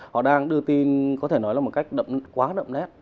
họ đang đưa tin có thể nói là một cách quá đậm nét